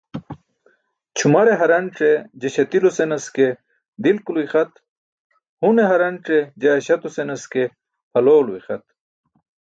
Ćʰumare haranc̣e je śatilo senas ke dilkulo ixat, hune haranc̣e je aśaato senas ke pʰalowlo ixat.